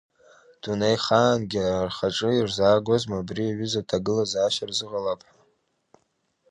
Дунеихаангьы рхаҿы ирзаагозма абри аҩыза аҭагылазаашьа рзыҟалап ҳәа!